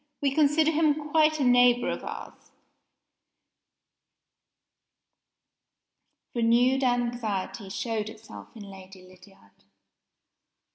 "We consider him quite a near neighbor of ours." Renewed anxiety showed itself in Lady Lydiard.